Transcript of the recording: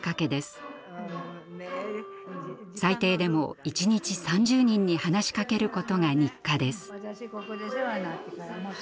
最低でも一日３０人に話しかけることが日課です。